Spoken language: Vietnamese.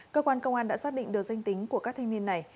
cơ quan công an đã xác định được danh tính của các thanh niên này